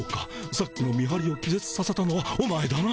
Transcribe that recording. さっきの見はりを気ぜつさせたのはお前だな。